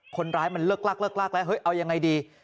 คนร้ายมันเลิกแล้วเอายังไงดี